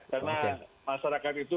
karena masyarakat itu